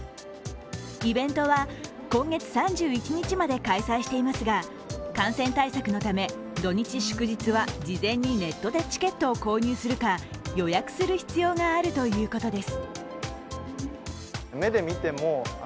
イベントは今月３１日まで開催していますが感染対策のため、土日祝日は事前にネットでチケットを購入するか予約する必要があるということです。